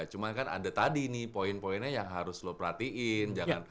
cuma kan ada tadi nih poin poinnya yang harus lo perhatiin